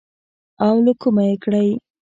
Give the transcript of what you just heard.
او له کومه يې کړې.